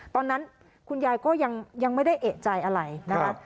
ตอนนั้นคุณยายก็ยังไม่ได้เอกใจอะไรนะครับ